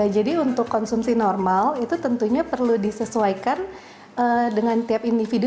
jadi untuk konsumsi normal itu tentunya perlu disesuaikan dengan tiap individu